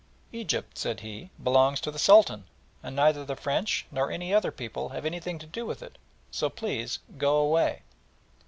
"Egypt," said he, "belongs to the Sultan, and neither the French nor any other people have anything to do with it, so please go away."